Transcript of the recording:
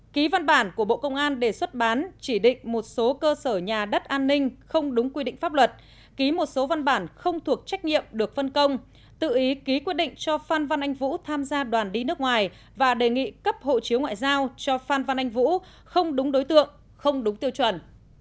ký văn bản của bộ công an đề xuất bán chỉ định một số cơ sở nhà đất an ninh không đúng quy định pháp luật ký một số văn bản không thuộc trách nhiệm được phân công tự ý ký quyết định cho phan văn anh vũ tham gia đoàn đi nước ngoài và đề nghị cấp hộ chiếu ngoại giao cho phan văn anh vũ không đúng đối tượng không đúng tiêu chuẩn